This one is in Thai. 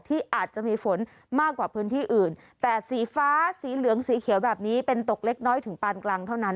ที่อาจจะมีฝนมากกว่าพื้นที่อื่นแต่สีฟ้าสีเหลืองสีเขียวแบบนี้เป็นตกเล็กน้อยถึงปานกลางเท่านั้น